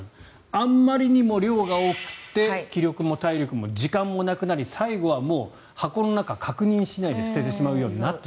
あまりにも量が多くて気力も体力も時間もなくなり最後はもう箱の中を確認しないで捨ててしまうようになった。